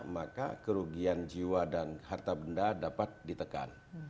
maka kerugian jiwa dan harta benda dapat ditekan